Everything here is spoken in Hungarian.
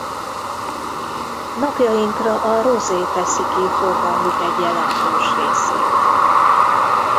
Napjainkra a rosé teszi ki forgalmuk egy jelentős részét.